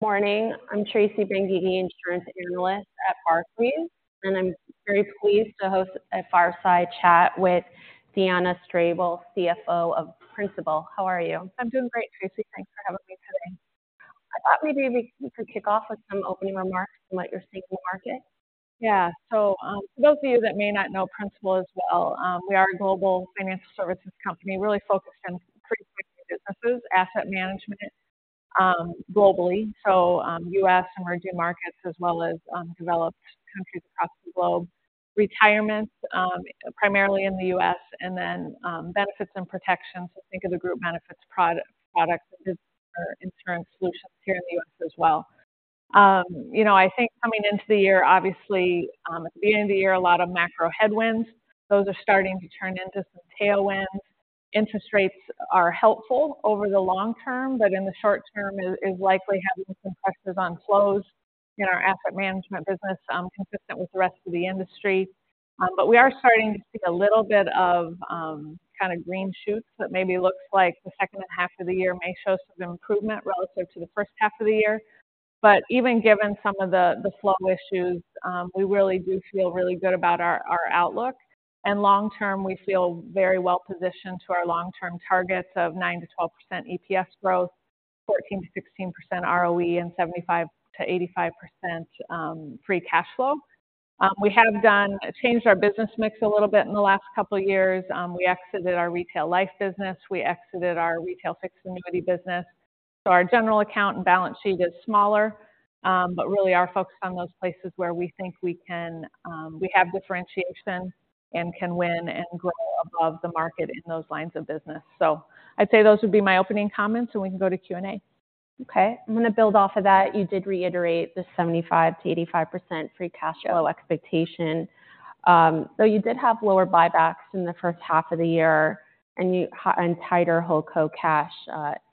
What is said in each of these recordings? Morning, I'm Tracy Benguigui, Insurance Analyst at Barclays, and I'm very pleased to host a Fireside Chat with Deanna Strable, CFO of Principal. How are you? I'm doing great, Tracy. Thanks for having me today. I thought maybe we could kick off with some opening remarks about what you're seeing in the market. Yeah. So, for those of you that may not know Principal as well, we are a global financial services company, really focused on three businesses: asset management, globally, so, U.S., emerging markets, as well as, developed countries across the globe. Retirement, primarily in the U.S., and then, benefits and protection. So think of the group benefits products, insurance solutions here in the U.S. as well. You know, I think coming into the year, obviously, at the beginning of the year, a lot of macro headwinds, those are starting to turn into some tailwinds. Interest rates are helpful over the long term, but in the short term, it is likely having some pressures on flows in our asset management business, consistent with the rest of the industry. But we are starting to see a little bit of, kind of green shoots that maybe looks like the second half of the year may show some improvement relative to the first half of the year. But even given some of the, the flow issues, we really do feel really good about our, our outlook. And long term, we feel very well positioned to our long-term targets of 9%-12% EPS growth, 14%-16% ROE, and 75%-85% free cash flow. We have changed our business mix a little bit in the last couple of years. We exited our retail life business, we exited our retail fixed annuity business. So our general account and balance sheet is smaller, but really are focused on those places where we think we can, we have differentiation and can win and grow above the market in those lines of business. So I'd say those would be my opening comments, and we can go to Q&A. Okay, I'm going to build off of that. You did reiterate the 75%-85% free cash flow expectation. So you did have lower buybacks in the first half of the year, and tighter HoldCo cash,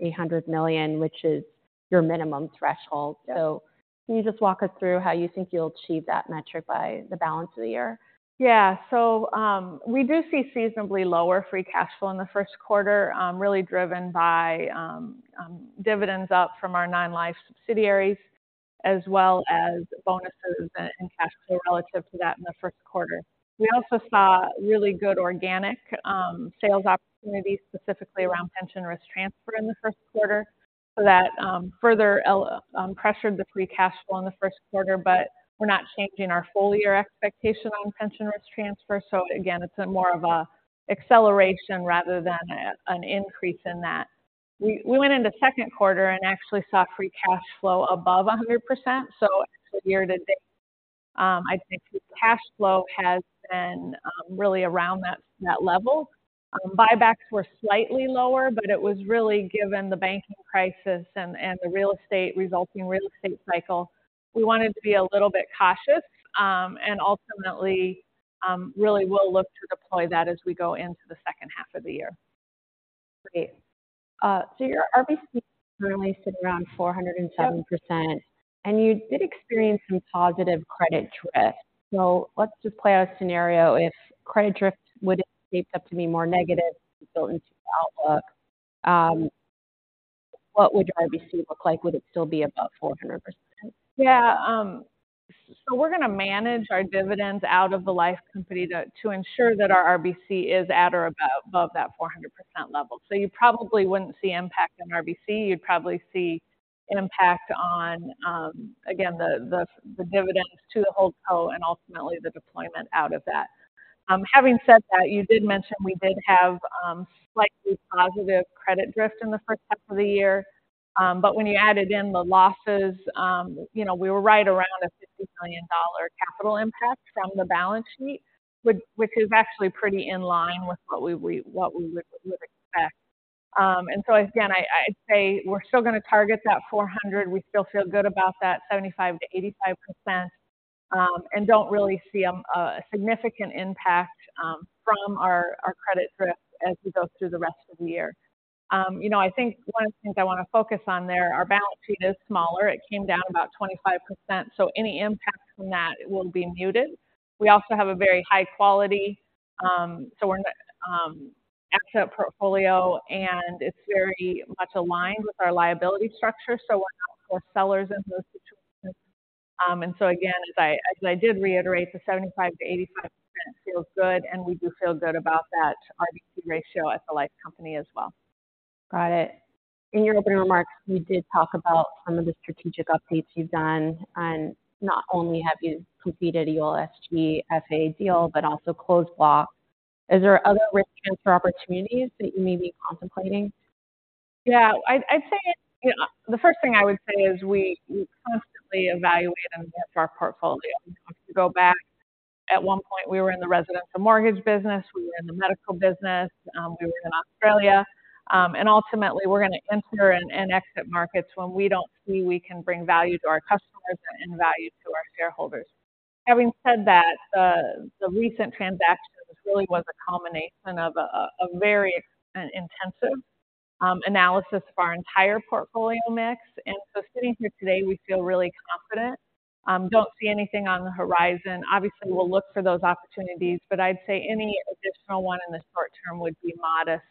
$800 million, which is your minimum threshold. So can you just walk us through how you think you'll achieve that metric by the balance of the year? Yeah. So, we do see seasonally lower free cash flow in the first quarter, really driven by, dividends up from our nonlife subsidiaries, as well as bonuses and cash flow relative to that in the first quarter. We also saw really good organic sales opportunities, specifically around pension risk transfer in the first quarter. So that further pressured the free cash flow in the first quarter, but we're not changing our full year expectation on pension risk transfer. So again, it's more of an acceleration rather than an increase in that. We went into second quarter and actually saw free cash flow above 100%. So year to date, I think free cash flow has been really around that, that level. Buybacks were slightly lower, but it was really given the banking crisis and the real estate, resulting real estate cycle. We wanted to be a little bit cautious, and ultimately, really will look to deploy that as we go into the second half of the year. Great. So your RBC currently sitting around 407%, and you did experience some positive credit drift. So let's just play out a scenario. If credit drift would shape up to be more negative built into the outlook, what would your RBC look like? Would it still be about 400%? Yeah, so we're going to manage our dividends out of the life company to ensure that our RBC is at or above that 400% level. So you probably wouldn't see impact on RBC. You'd probably see an impact on, again, the dividends to the HoldCo and ultimately the deployment out of that. Having said that, you did mention we did have slightly positive credit drift in the first half of the year. But when you added in the losses, you know, we were right around a $50 million capital impact from the balance sheet, which is actually pretty in line with what we would expect. And so again, I'd say we're still going to target that 400. We still feel good about that 75%-85%, and don't really see a significant impact from our credit drift as we go through the rest of the year. You know, I think one of the things I want to focus on there, our balance sheet is smaller. It came down about 25%, so any impact from that will be muted. We also have a very high quality, so we're exit portfolio, and it's very much aligned with our liability structure, so we're not core sellers in those situations. And so again, as I did reiterate, the 75%-85% feels good, and we do feel good about that RBC ratio at the life company as well. Got it. In your opening remarks, you did talk about some of the strategic updates you've done, and not only have you completed your ULSG/FA deal, but also closed-block. Is there other risk transfer opportunities that you may be contemplating? Yeah, I'd, I'd say, you know, the first thing I would say is we, we constantly evaluate and manage our portfolio. To go back, at one point, we were in the residential mortgage business, we were in the medical business, we were in Australia. And ultimately, we're going to enter and exit markets when we don't see we can bring value to our customers and value to our shareholders. Having said that, the, the recent transactions really was a culmination of a, a very intensive analysis of our entire portfolio mix. And so sitting here today, we feel really confident.... Don't see anything on the horizon. Obviously, we'll look for those opportunities, but I'd say any additional one in the short term would be modest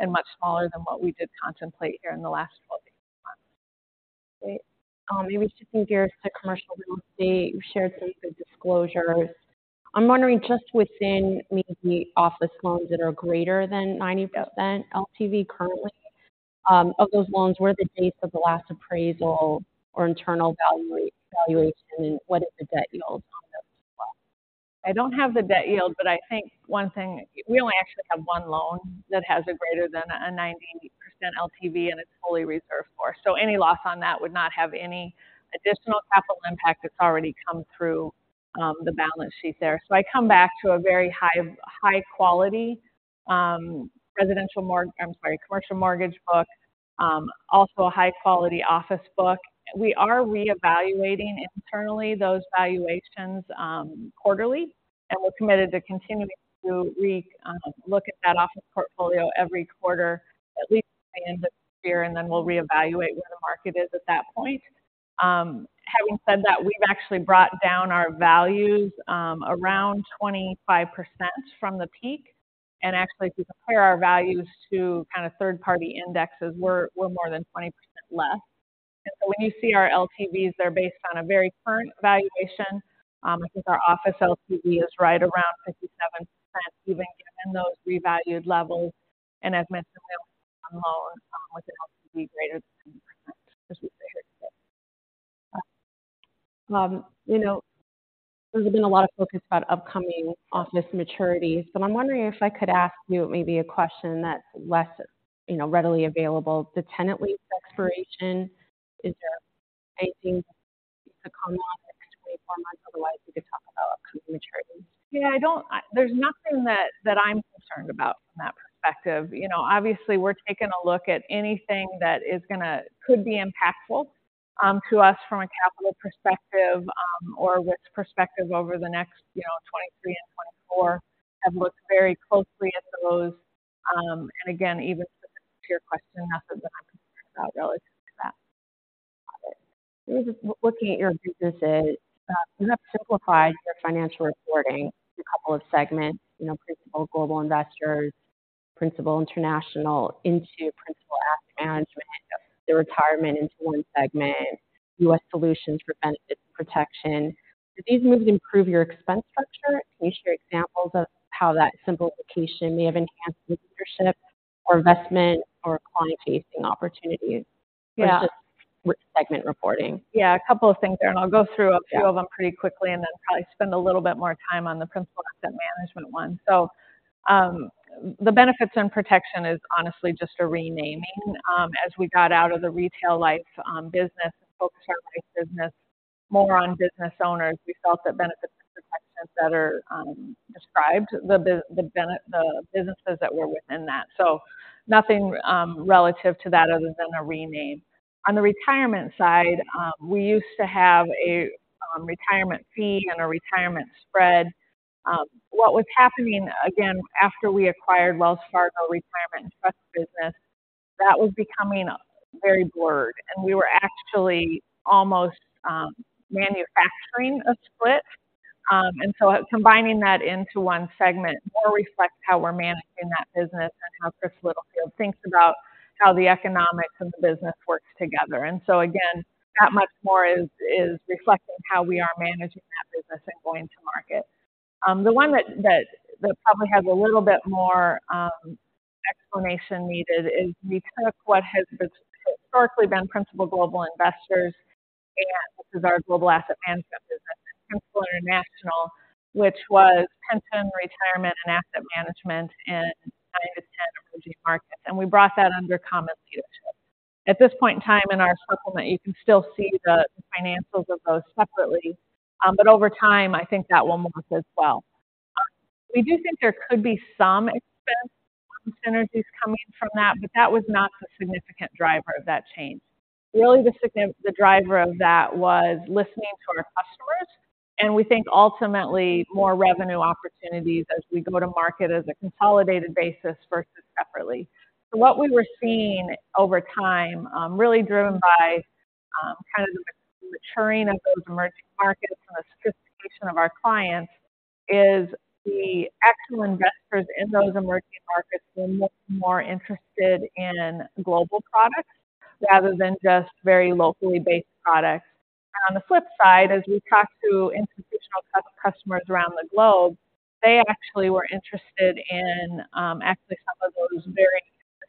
and much smaller than what we did contemplate here in the last 12 months. Great. Maybe just in regards to commercial real estate, you shared some good disclosures. I'm wondering, just within maybe office loans that are greater than 90% LTV currently, of those loans, what are the dates of the last appraisal or internal valuation? What is the debt yield on those loans? I don't have the debt yield, but I think one thing, we only actually have one loan that has a greater than a 90% LTV, and it's fully reserved for. So any loss on that would not have any additional capital impact. It's already come through the balance sheet there. So I come back to a very high, high quality, I'm sorry, commercial mortgage book. Also a high quality office book. We are reevaluating internally those valuations quarterly, and we're committed to continuing to look at that office portfolio every quarter, at least by the end of the year, and then we'll reevaluate where the market is at that point. Having said that, we've actually brought down our values around 25% from the peak. Actually, if you compare our values to kind of third-party indexes, we're, we're more than 20% less. So when you see our LTVs, they're based on a very current valuation. I think our office LTV is right around 57%, even given those revalued levels. And as mentioned, there was one loan with an LTV greater than 90%. You know, there's been a lot of focus about upcoming office maturities, but I'm wondering if I could ask you maybe a question that's less, you know, readily available. The tenant lease expiration, is there anything to come on in 24 months? Otherwise, we could talk about upcoming maturities. Yeah, I don't— There's nothing that I'm concerned about from that perspective. You know, obviously we're taking a look at anything that could be impactful to us from a capital perspective or risk perspective over the next, you know, 2023 and 2024, have looked very closely at those. And again, even to your question, nothing that I'm concerned about relative to that. Just looking at your businesses, you have simplified your financial reporting in a couple of segments, you know, Principal Global Investors, Principal International into Principal Asset Management, the retirement into one segment, U.S. Solutions for Benefits and Protection. Do these moves improve your expense structure? Can you share examples of how that simplification may have enhanced leadership or investment or client-facing opportunities? Yeah. with segment reporting? Yeah, a couple of things there, and I'll go through a few of them pretty quickly and then probably spend a little bit more time on the Principal Asset Management one. So, the Benefits and Protection is honestly just a renaming. As we got out of the retail life business, focused our life business more on business owners, we felt that Benefits and Protection better described the businesses that were within that. So nothing relative to that other than a rename. On the retirement side, we used to have a retirement fee and a retirement spread. What was happening again after we acquired Wells Fargo Retirement and Trust business, that was becoming very blurred, and we were actually almost manufacturing a split. And so combining that into one segment more reflects how we're managing that business and how Chris Littlefield thinks about how the economics and the business works together. And so again, that much more is reflecting how we are managing that business and going to market. The one that probably has a little bit more explanation needed is we took what has historically been Principal Global Investors, and this is our global asset management business, Principal International, which was pension, retirement and asset management in emerging markets, and we brought that under common leadership. At this point in time, in our supplement, you can still see the financials of those separately, but over time, I think that will move as well. We do think there could be some expense synergies coming from that, but that was not the significant driver of that change. Really, the driver of that was listening to our customers, and we think ultimately more revenue opportunities as we go to market as a consolidated basis versus separately. So what we were seeing over time, really driven by, kind of the maturing of those emerging markets and the sophistication of our clients, is the actual investors in those emerging markets were much more interested in global products rather than just very locally based products. And on the flip side, as we talked to institutional customers around the globe, they actually were interested in, actually some of those very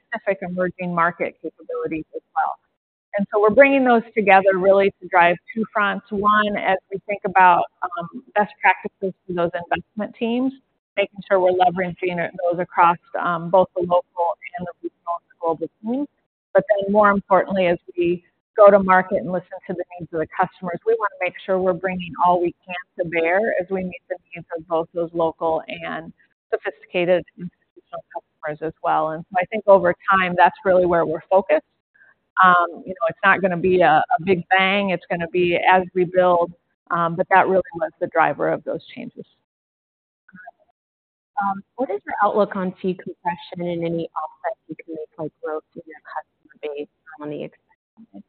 specific emerging market capabilities as well. And so we're bringing those together really to drive two fronts. One, as we think about best practices for those investment teams, making sure we're leveraging those across both the local and the regional and the global teams. But then more importantly, as we go to market and listen to the needs of the customers, we want to make sure we're bringing all we can to bear as we meet the needs of both those local and sophisticated institutional customers as well. And so I think over time, that's really where we're focused. You know, it's not going to be a big bang, it's going to be as we build, but that really was the driver of those changes.... What is your outlook on fee compression and any offsets you can make, like growth in your customer base on the expense?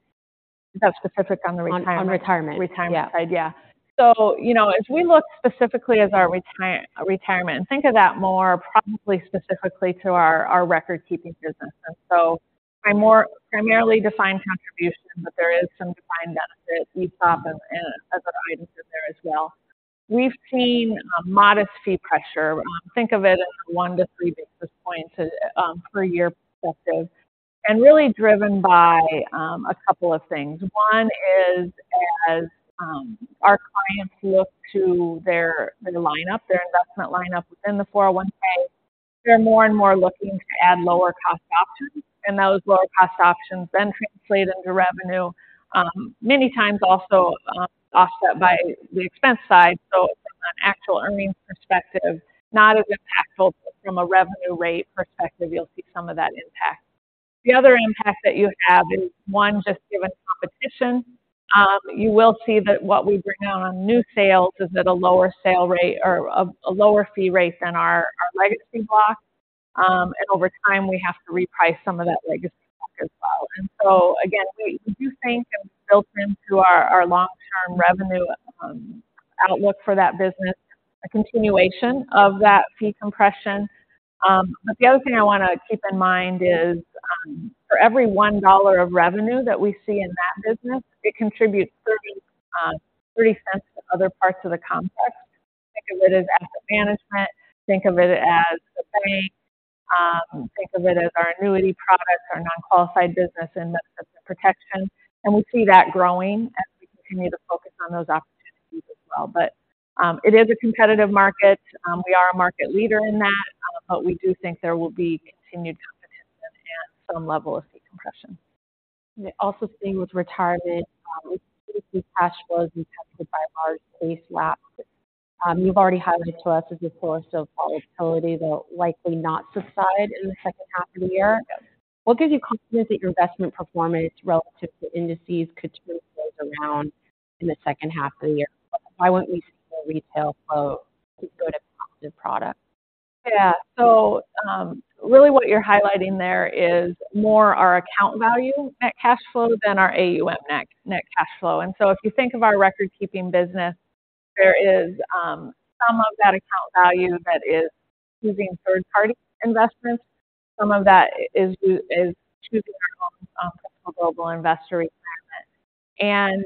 That's specific on the retirement? On retirement. Retirement side. Yeah. Yeah. So, you know, as we look specifically at our retirement, think of that more probably specifically to our record-keeping business. And so it's more primarily defined contribution, but there is some defined benefit, ESOP, and other items in there as well. We've seen a modest fee pressure. Think of it as 1-3 basis points per year perspective, and really driven by a couple of things. One is, as our clients look to their lineup, their investment lineup within the 401(k), they're more and more looking to add lower cost options, and those lower cost options then translate into revenue, many times also offset by the expense side. So from an actual earnings perspective, not as impactful, but from a revenue rate perspective, you'll see some of that impact. The other impact that you have is one, just given competition, you will see that what we bring on new sales is at a lower sale rate or a lower fee rate than our legacy block. And over time, we have to reprice some of that legacy block as well. And so again, we do think it was built into our long-term revenue outlook for that business, a continuation of that fee compression. But the other thing I want to keep in mind is, for every $1 of revenue that we see in that business, it contributes $0.30 to other parts of the complex. Think of it as asset management. Think of it as a bank. Think of it as our annuity products, our non-qualified business, and the protection. We see that growing as we continue to focus on those opportunities as well. But it is a competitive market. We are a market leader in that, but we do think there will be continued competition and some level of fee compression. Also, seeing with retirement, we see cash flows impacted by large case lapses. You've already highlighted to us as a source of volatility that will likely not subside in the second half of the year. What gives you confidence that your investment performance relative to indices could turn those around in the second half of the year? Why wouldn't we see the retail flow go to positive product? Yeah. So, really what you're highlighting there is more our account value net cash flow than our AUM net net cash flow. And so if you think of our record-keeping business, there is some of that account value that is using third-party investments. Some of that is to our own Principal Global Investors. And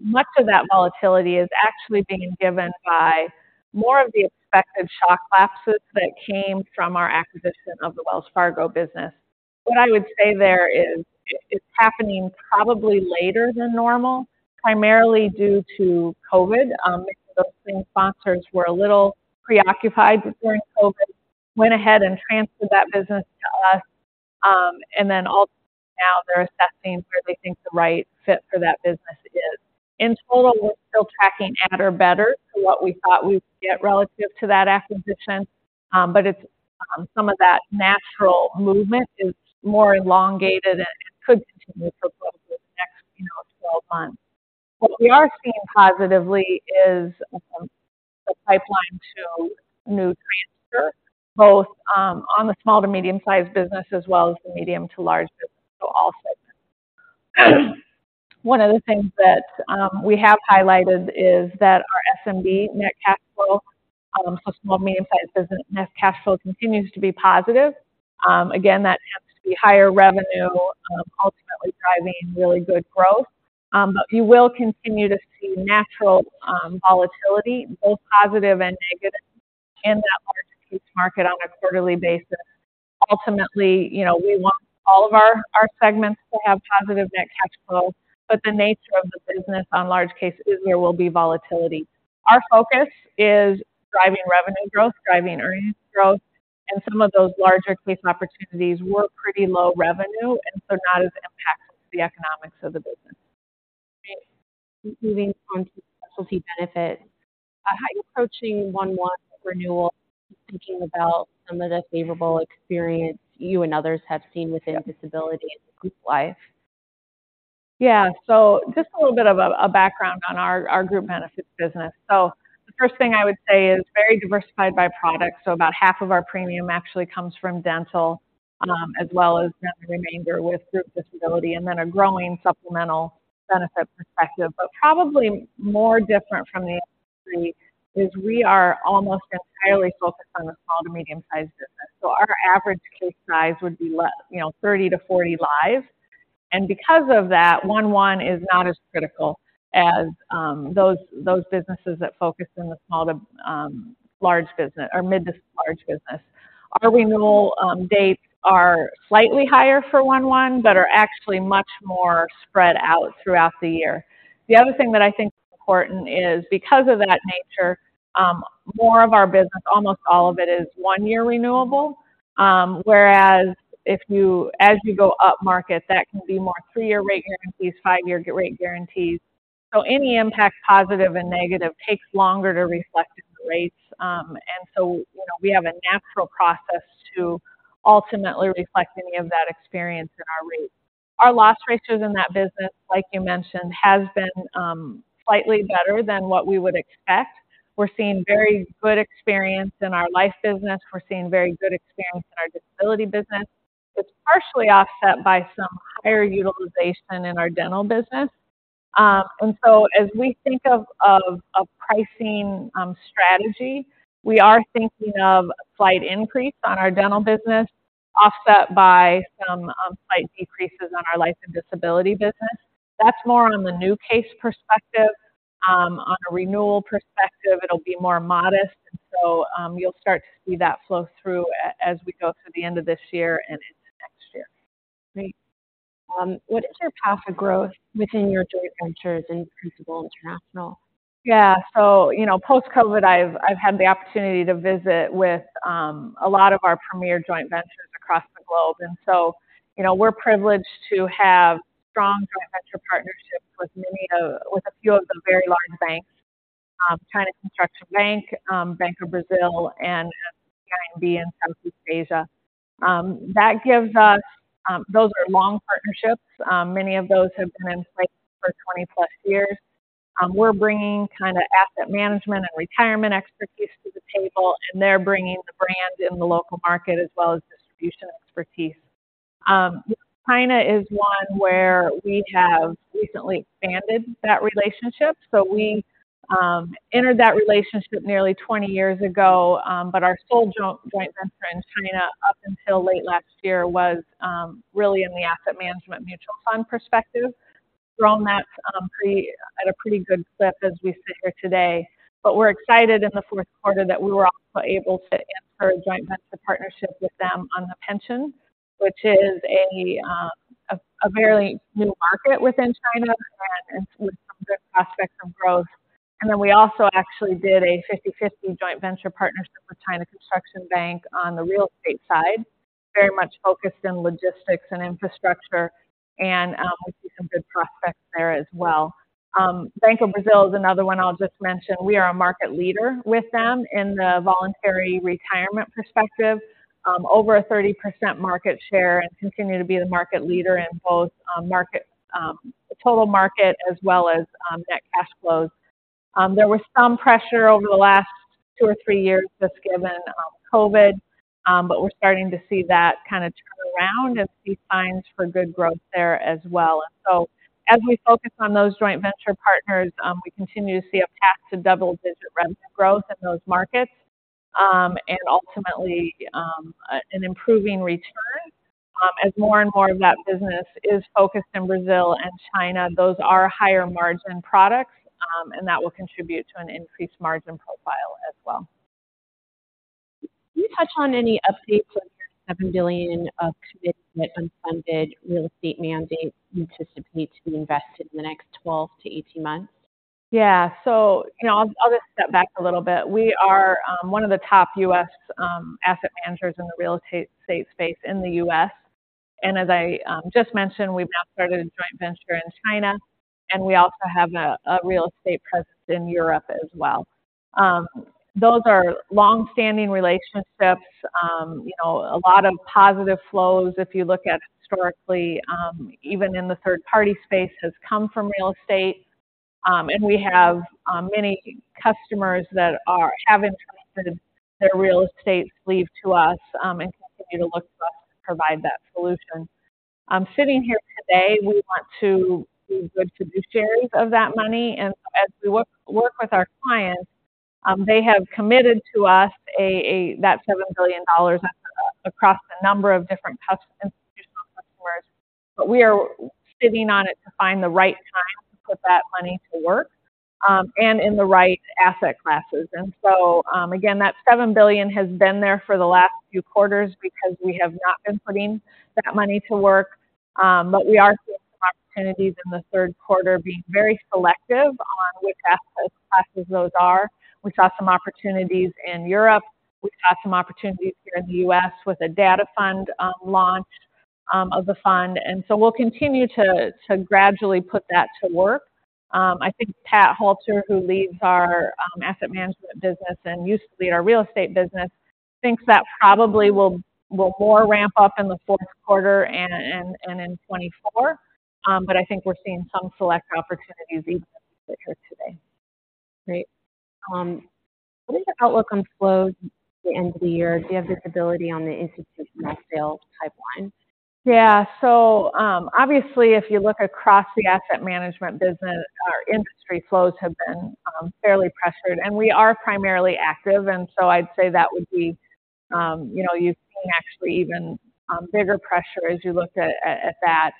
much of that volatility is actually being given by more of the expected shock lapses that came from our acquisition of the Wells Fargo business. What I would say there is, it's happening probably later than normal, primarily due to COVID. Those same sponsors were a little preoccupied during COVID, went ahead and transferred that business to us. And then also now they're assessing where they think the right fit for that business is. In total, we're still tracking at or better than what we thought we would get relative to that acquisition. But it's some of that natural movement is more elongated and could continue for over the next, you know, 12 months. What we are seeing positively is the pipeline to new transfer, both on the small to medium-sized business as well as the medium to large business. So also, one of the things that we have highlighted is that our SMB net cash flow, so small, medium-sized business, net cash flow continues to be positive. Again, that happens to be higher revenue, ultimately driving really good growth. But you will continue to see natural volatility, both positive and negative, in that large case market on a quarterly basis. Ultimately, you know, we want all of our, our segments to have positive net cash flow, but the nature of the business on large case is there will be volatility. Our focus is driving revenue growth, driving earnings growth, and some of those larger case opportunities were pretty low revenue, and so not as impactful to the economics of the business. Moving on to specialty benefits, how are you approaching Q1 renewal, thinking about some of the favorable experience you and others have seen within disability and group life? Yeah. So just a little bit of a background on our group benefits business. So the first thing I would say is very diversified by product. So about half of our premium actually comes from dental, as well as the remainder with group disability and then a growing supplemental benefit perspective. But probably more different from the industry is we are almost entirely focused on the small to medium-sized business. So our average case size would be less, you know, 30-40 lives. And because of that, 1/1 is not as critical as, those businesses that focus in the small to, large business or mid to large business. Our renewal dates are slightly higher for 1/1, but are actually much more spread out throughout the year. The other thing that I think is important is because of that nature, more of our business, almost all of it, is one-year renewable. Whereas if you as you go up market, that can be more three-year rate guarantees, five-year rate guarantees. So any impact, positive and negative, takes longer to reflect in the rates. And so, you know, we have a natural process to ultimately reflect any of that experience in our rates.... Our loss ratios in that business, like you mentioned, has been, slightly better than what we would expect. We're seeing very good experience in our life business. We're seeing very good experience in our disability business, which is partially offset by some higher utilization in our dental business. And so as we think of a pricing strategy, we are thinking of a slight increase on our dental business, offset by some slight decreases on our life and disability business. That's more on the new case perspective. On a renewal perspective, it'll be more modest. So, you'll start to see that flow through as we go through the end of this year and into next year. Great. What is your path of growth within your joint ventures in Principal International? Yeah. So, you know, post-COVID, I've had the opportunity to visit with a lot of our premier joint ventures across the globe. And so, you know, we're privileged to have strong joint venture partnerships with a few of the very large banks, China Construction Bank, Bank of Brazil, and CIMB in Southeast Asia. That gives us... Those are long partnerships. Many of those have been in place for 20+ years. We're bringing kind of asset management and retirement expertise to the table, and they're bringing the brand in the local market as well as distribution expertise. China is one where we have recently expanded that relationship. So we entered that relationship nearly 20 years ago, but our sole joint venture in China, up until late last year, was really in the asset management mutual fund perspective. Grown that at a pretty good clip as we sit here today. But we're excited in the fourth quarter that we were also able to enter a joint venture partnership with them on the pension, which is a fairly new market within China and includes some good prospects for growth. And then we also actually did a 50/50 joint venture partnership with China Construction Bank on the real estate side, very much focused in logistics and infrastructure, and we see some good prospects there as well. Bank of Brazil is another one I'll just mention. We are a market leader with them in the voluntary retirement perspective, over a 30% market share and continue to be the market leader in both market total market as well as net cash flows. There was some pressure over the last two or three years just given COVID, but we're starting to see that kind of turn around and see signs for good growth there as well. And so as we focus on those joint venture partners, we continue to see a path to double-digit revenue growth in those markets, and ultimately an improving return. As more and more of that business is focused in Brazil and China, those are higher margin products, and that will contribute to an increased margin profile as well. Can you touch on any updates on your $7 billion of committed but unfunded real estate mandate you anticipate to be invested in the next 12-18 months? Yeah. So you know, I'll just step back a little bit. We are one of the top U.S. asset managers in the real estate space in the U.S. And as I just mentioned, we've now started a joint venture in China, and we also have a real estate presence in Europe as well. Those are long-standing relationships. You know, a lot of positive flows, if you look at historically, even in the third-party space, has come from real estate. And we have many customers that have entrusted their real estate sleeve to us and continue to look to us to provide that solution. Sitting here today, we want to be good fiduciaries of that money. As we work with our clients, they have committed to us that $7 billion across a number of different customers, institutional customers, but we are sitting on it to find the right time to put that money to work, and in the right asset classes. So, again, that $7 billion has been there for the last few quarters because we have not been putting that money to work. But we are seeing opportunities in the third quarter being very selective on which asset classes those are. We saw some opportunities in Europe. We saw some opportunities here in the U.S. with a data fund launch of the fund. So we'll continue to gradually put that to work. I think Pat Halter, who leads our asset management business and used to lead our real estate business, thinks that probably will more ramp up in the fourth quarter and in 2024. But I think we're seeing some select opportunities even as we sit here today. Great. What is the outlook on flows at the end of the year? Do you have visibility on the institutional sales pipeline? Yeah. So, obviously, if you look across the asset management business, our industry flows have been fairly pressured, and we are primarily active, and so I'd say that would be, you know, you've seen actually even bigger pressure as you look at that.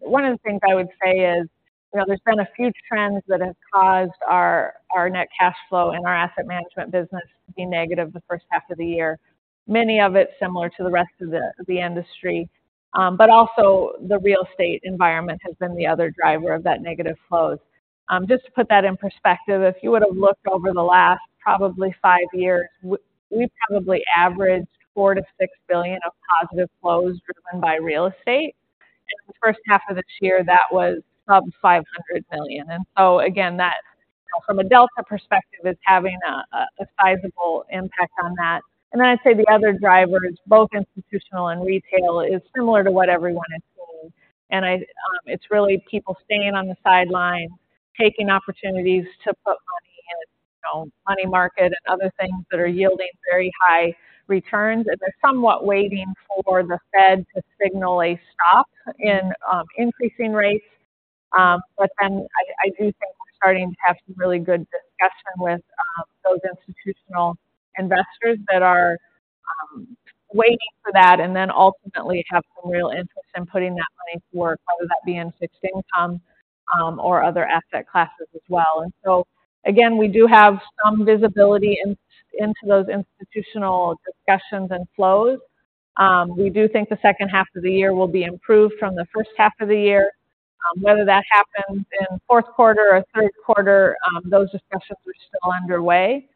One of the things I would say is, you know, there's been a few trends that have caused our net cash flow and our asset management business to be negative the first half of the year. Many of it similar to the rest of the industry, but also the real estate environment has been the other driver of that negative flows. Just to put that in perspective, if you would have looked over the last probably five years, we probably averaged $4 billion-$6 billion of positive flows driven by real estate. In the first half of this year, that was sub $500 million. And so again, from a delta perspective, it's having a sizable impact on that. And then I'd say the other drivers, both institutional and retail, is similar to what everyone is seeing. And I, it's really people staying on the sidelines, taking opportunities to put money in, you know, money market and other things that are yielding very high returns. And they're somewhat waiting for the Fed to signal a stop in increasing rates. But then I, I do think we're starting to have some really good discussion with those institutional investors that are waiting for that and then ultimately have some real interest in putting that money to work, whether that be in fixed income or other asset classes as well. And so again, we do have some visibility into those institutional discussions and flows. We do think the second half of the year will be improved from the first half of the year. Whether that happens in fourth quarter or third quarter, those discussions are still underway.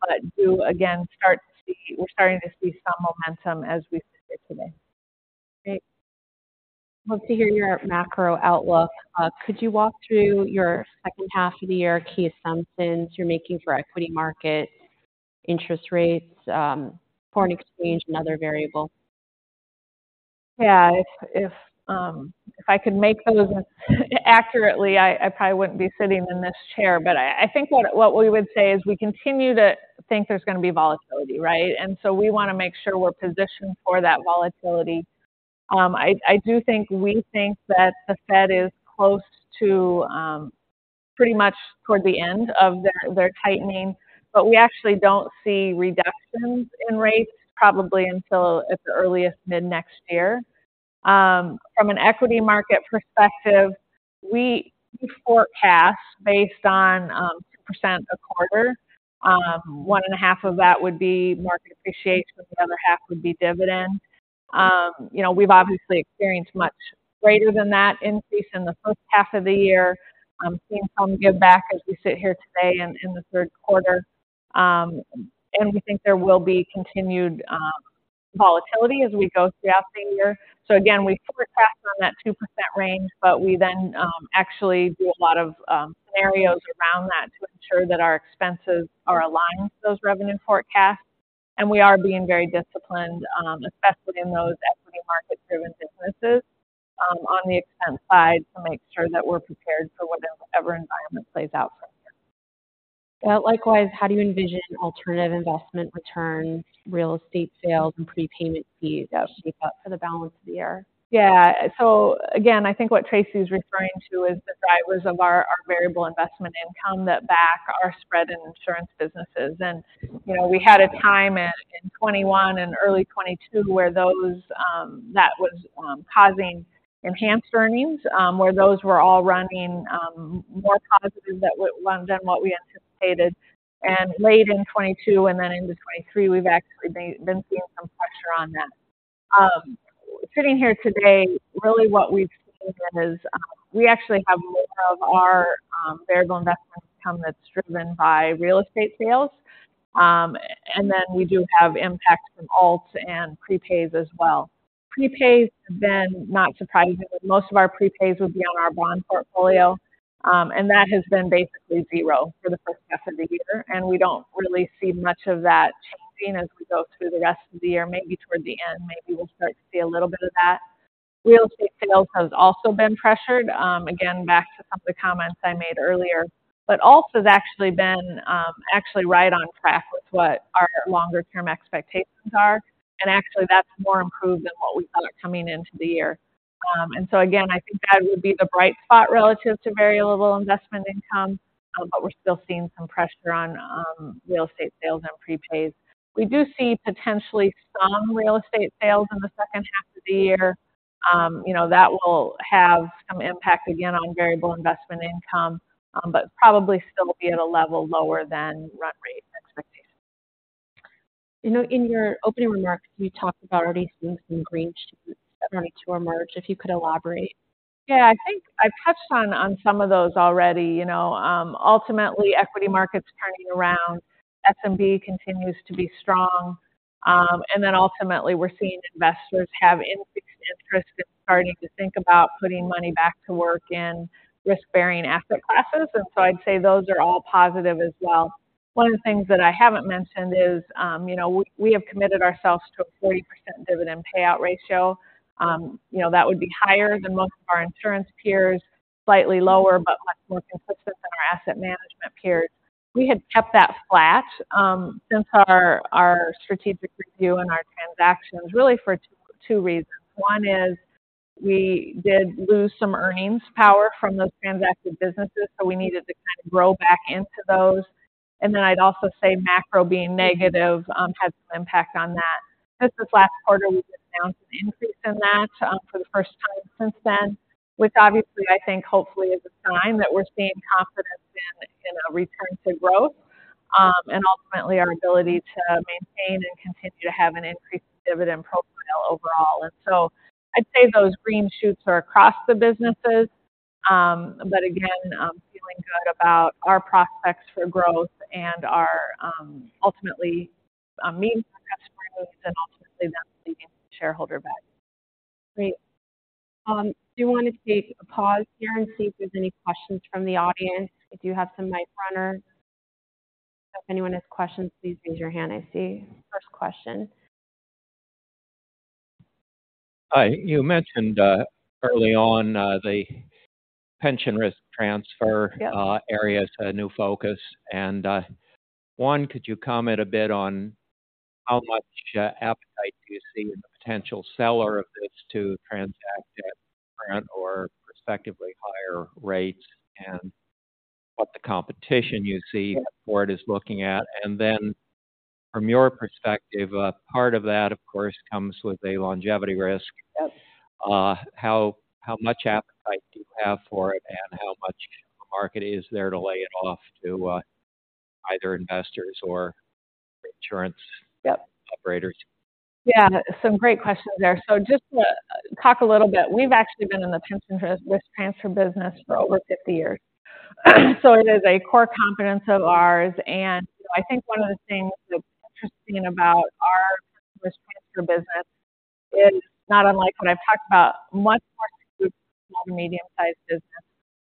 But I do again—we're starting to see some momentum as we sit today. Great. Love to hear your macro outlook. Could you walk through your second half of the year key assumptions you're making for equity market, interest rates, foreign exchange and other variables? Yeah. If I could make those accurately, I probably wouldn't be sitting in this chair. But I think what we would say is we continue to think there's going to be volatility, right? And so we want to make sure we're positioned for that volatility. I do think we think that the Fed is close to pretty much toward the end of their tightening, but we actually don't see reductions in rates probably until at the earliest, mid-next year. From an equity market perspective, we forecast based on 2% a quarter. 1.5% of that would be market appreciation, the other half would be dividends. You know, we've obviously experienced much greater than that increase in the first half of the year. Seeing some give back as we sit here today in the third quarter. We think there will be continued volatility as we go throughout the year. So again, we forecast on that 2% range, but we then actually do a lot of scenarios around that to ensure that our expenses are aligned with those revenue forecasts. We are being very disciplined, especially in those equity market-driven businesses, on the expense side, to make sure that we're prepared for whatever environment plays out for us. Well, likewise, how do you envision alternative investment returns, real estate sales, and prepayment fees shape up for the balance of the year? Yeah. So again, I think what Tracy is referring to is the drivers of our variable investment income that back our spread in insurance businesses. And, you know, we had a time in 2021 and early 2022 where those were causing enhanced earnings, where those were all running more positive than what we anticipated. And late in 2022 and then into 2023, we've actually been seeing some pressure on that. Sitting here today, really what we've seen is, we actually have most of our variable investment income that's driven by real estate sales. And then we do have impact from alts and prepays as well. Prepays have been not surprising. Most of our prepays would be on our bond portfolio, and that has been basically zero for the first half of the year, and we don't really see much of that changing as we go through the rest of the year. Maybe toward the end, maybe we'll start to see a little bit of that. Real estate sales has also been pressured. Again, back to some of the comments I made earlier, but alts has actually been actually right on track with what our longer term expectations are. And actually that's more improved than what we thought coming into the year. And so again, I think that would be the bright spot relative to variable investment income, but we're still seeing some pressure on real estate sales and prepays. We do see potentially some real estate sales in the second half of the year. You know, that will have some impact, again, on Variable Investment Income, but probably still be at a level lower than run rate expectations. You know, in your opening remarks, you talked about already seeing some green shoots starting to emerge, if you could elaborate. Yeah, I think I've touched on some of those already. You know, ultimately, equity markets turning around. SMB continues to be strong. And then ultimately, we're seeing investors have in fixed interest and starting to think about putting money back to work in risk-bearing asset classes. And so I'd say those are all positive as well. One of the things that I haven't mentioned is, you know, we have committed ourselves to a 40% dividend payout ratio. You know, that would be higher than most of our insurance peers, slightly lower, but much more consistent than our asset management peers. We had kept that flat, since our strategic review and our transactions, really for two reasons. One is we did lose some earnings power from those transacted businesses, so we needed to kind of grow back into those. And then I'd also say macro being negative, had some impact on that. Since this last quarter, we've announced an increase in that, for the first time since then, which obviously, I think hopefully is a sign that we're seeing confidence in, in a return to growth, and ultimately our ability to maintain and continue to have an increased dividend profile overall. And so I'd say those green shoots are across the businesses. But again, I'm feeling good about our prospects for growth and our, ultimately, meeting progress and ultimately them making shareholder back.... Great. Do you want to take a pause here and see if there's any questions from the audience? I do have some mic runners. If anyone has questions, please raise your hand. I see first question. Hi. You mentioned, early on, the Pension Risk Transfer- Yep. Area is a new focus, and could you comment a bit on how much appetite do you see in the potential seller of this to transact at current or respectively higher rates? And what the competition you see the board is looking at. And then from your perspective, part of that, of course, comes with a longevity risk. Yes. How much appetite do you have for it, and how much market is there to lay it off to either investors or insurance- Yep. -operators? Yeah, some great questions there. So just to talk a little bit, we've actually been in the pension risk transfer business for over 50 years, so it is a core competence of ours. And I think one of the things that's interesting about our risk transfer business is not unlike what I've talked about, much more small to medium-sized business.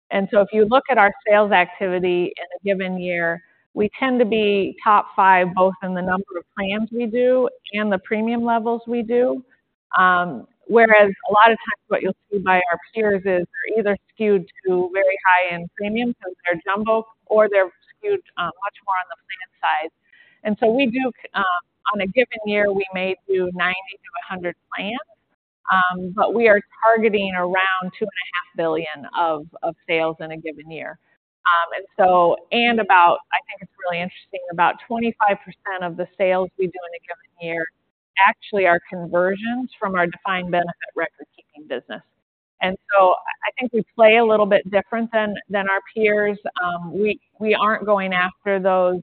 And so if you look at our sales activity in a given year, we tend to be top five, both in the number of plans we do and the premium levels we do. Whereas a lot of times what you'll see by our peers is they're either skewed to very high-end premiums because they're jumbo or they're skewed much more on the plan side. And so we do, on a given year, we may do 90-100 plans, but we are targeting around $2.5 billion of sales in a given year. And about, I think it's really interesting, about 25% of the sales we do in a given year actually are conversions from our defined benefit record-keeping business. And so I think we play a little bit different than our peers. We aren't going after those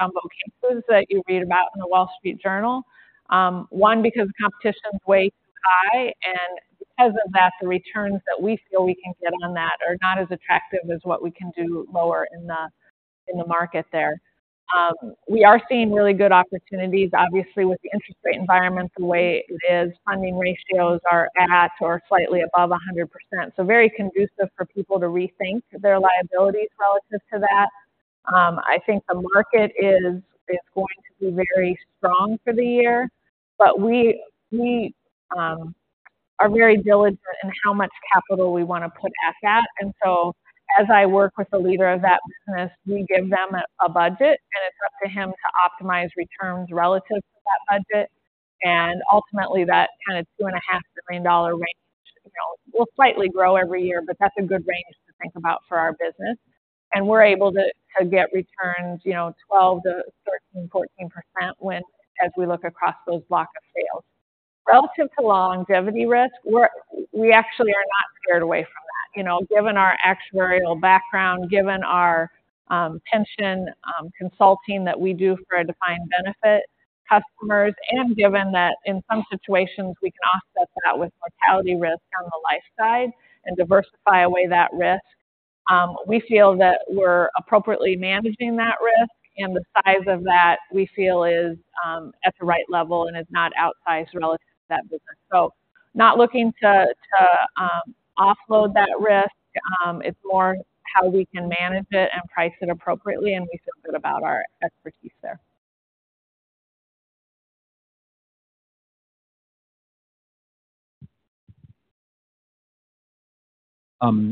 jumbo cases that you read about in the Wall Street Journal. One, because competition is way too high, and because of that, the returns that we feel we can get on that are not as attractive as what we can do lower in the market there. We are seeing really good opportunities. Obviously, with the interest rate environment the way it is, funding ratios are at or slightly above 100%. So very conducive for people to rethink their liabilities relative to that. I think the market is going to be very strong for the year, but we are very diligent in how much capital we want to put at that. And so as I work with the leader of that business, we give them a budget, and it's up to him to optimize returns relative to that budget. And ultimately, that kind of $2.5 billion range, you know, will slightly grow every year, but that's a good range to think about for our business. And we're able to get returns, you know, 12%-14% when as we look across those blocks of sales. Relative to longevity risk, we're actually not scared away from that. You know, given our actuarial background, given our pension consulting that we do for our defined benefit customers, and given that in some situations we can offset that with mortality risk on the life side and diversify away that risk, we feel that we're appropriately managing that risk, and the size of that, we feel, is at the right level and is not outsized relative to that business. So not looking to offload that risk. It's more how we can manage it and price it appropriately, and we feel good about our expertise there.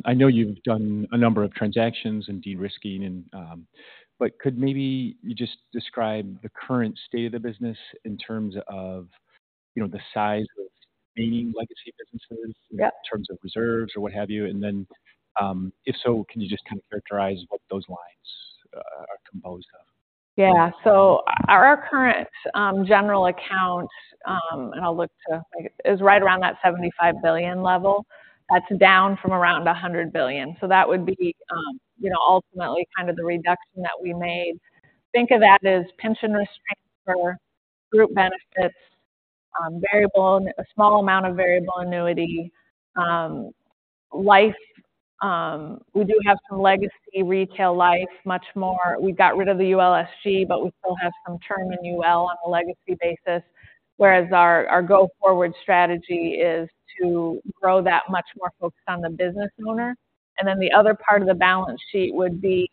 I know you've done a number of transactions and de-risking and, but could maybe you just describe the current state of the business in terms of, you know, the size of remaining legacy businesses- Yep. -in terms of reserves or what have you? And then, if so, can you just kind of characterize what those lines are composed of? Yeah. So our current general account is right around that $75 billion level. That's down from around $100 billion. So that would be, you know, ultimately kind of the reduction that we made. Think of that as pension risk transfer, group benefits, variable, a small amount of variable annuity. Life, we do have some legacy retail life, much more. We got rid of the ULSG, but we still have some term in UL on a legacy basis, whereas our go-forward strategy is to grow that much more focused on the business owner. And then the other part of the balance sheet would be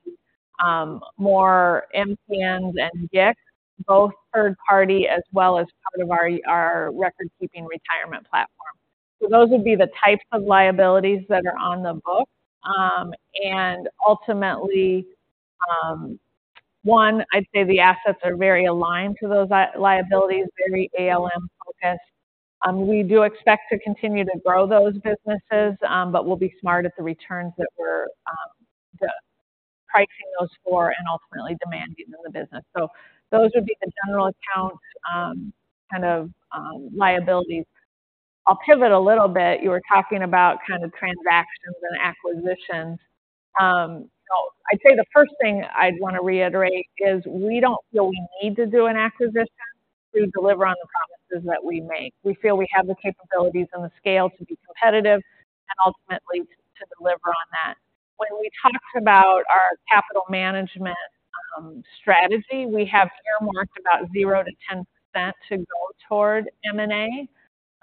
more MTNs and GIC, both third party as well as part of our record-keeping retirement platform. So those would be the types of liabilities that are on the book. And ultimately, I'd say the assets are very aligned to those liabilities, very ALM focused. We do expect to continue to grow those businesses, but we'll be smart at the returns that we're pricing those for and ultimately demanding in the business. So those would be the general account kind of liabilities. I'll pivot a little bit. You were talking about kind of transactions and acquisitions. So I'd say the first thing I'd want to reiterate is we don't feel we need to do an acquisition to deliver on the promises that we make. We feel we have the capabilities and the scale to be competitive and ultimately to deliver on that. When we talked about our capital management strategy. We have earmarked about 0%-10% to go toward M&A.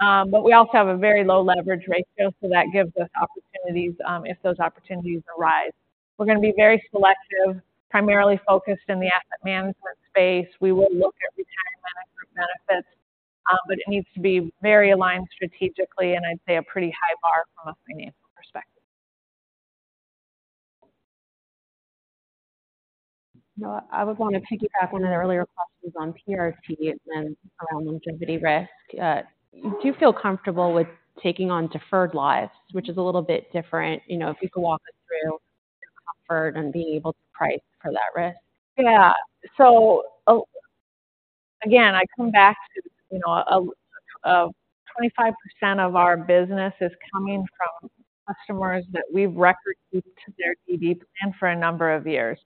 But we also have a very low leverage ratio, so that gives us opportunities, if those opportunities arise. We're going to be very selective, primarily focused in the asset management space. We will look at retirement benefits, but it needs to be very aligned strategically, and I'd say a pretty high bar from a financial perspective. No, I would want to piggyback on an earlier question on PRT and around longevity risk. Do you feel comfortable with taking on deferred lives, which is a little bit different, you know, if you could walk us through deferred and being able to price for that risk? Yeah. So, again, I come back to, you know, 25% of our business is coming from customers that we've recorded to their DB plan for a number of years.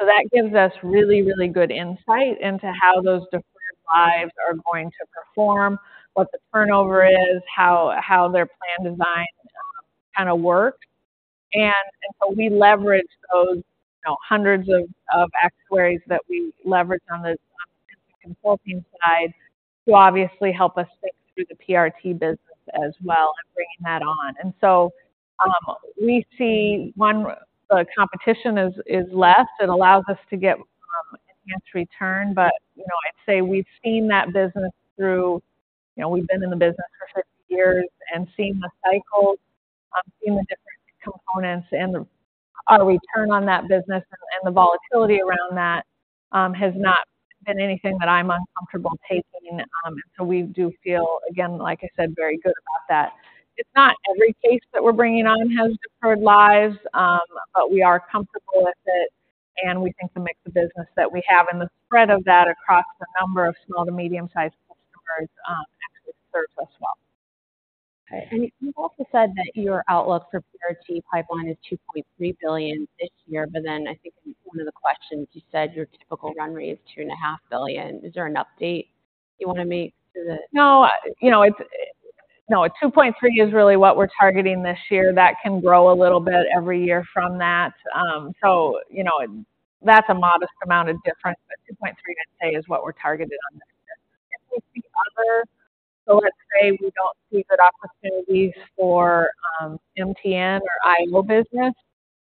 So that gives us really, really good insight into how those different lives are going to perform, what the turnover is, how their plan designs kind of work. And so we leverage those, you know, hundreds of actuaries that we leverage on the consulting side to obviously help us think through the PRT business as well and bringing that on. And so, we see one, the competition is less. It allows us to get enhanced return. But, you know, I'd say we've seen that business through... You know, we've been in the business for 50 years and seen the cycles, seen the different components, and our return on that business and the volatility around that has not been anything that I'm uncomfortable taking. So we do feel, again, like I said, very good about that. It's not every case that we're bringing on has deferred lives, but we are comfortable with it, and we think the mix of business that we have and the spread of that across a number of small to medium-sized customers actually serves us well. Okay. And you've also said that your outlook for PRT pipeline is $2.3 billion this year, but then I think one of the questions you said your typical run rate is $2.5 billion. Is there an update you want to make to the- No, you know, no, 2.3% is really what we're targeting this year. That can grow a little bit every year from that. So you know, that's a modest amount of difference, but 2.3%, I'd say, is what we're targeted on this year. If we see other, so let's say we don't see good opportunities for MTN or IO business,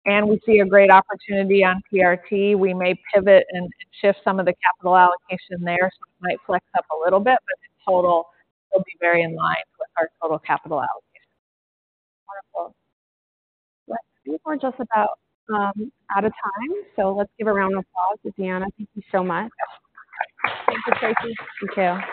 and we see a great opportunity on PRT, we may pivot and shift some of the capital allocation there, so it might flex up a little bit, but the total will be very in line with our total capital allocation. Wonderful. Well, I think we're just about out of time, so let's give a round of applause to Deanna. Thank you so much. Thank you, Tracy. Thank you.